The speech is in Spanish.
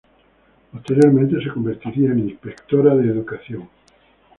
Posteriormente, se convertiría en inspectora de educación.